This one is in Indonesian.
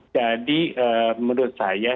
jadi menurut saya